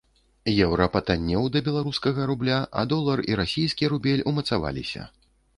Еўра патаннеў да беларускага рубля, а долар і расійскі рубель умацаваліся.